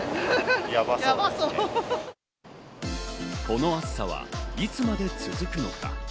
この暑さはいつまで続くのか。